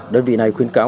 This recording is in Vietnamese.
đơn vị này khuyến cáo